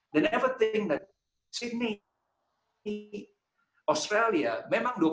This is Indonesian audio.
mereka tidak pernah berpikir bahwa sydney australia memang dua puluh lima juta orang